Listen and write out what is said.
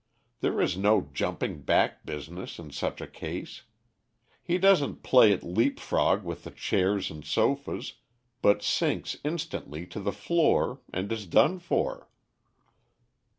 There is no jumping jack business in such a case. He doesn't play at leapfrog with the chairs and sofas, but sinks instantly to the floor and is done for."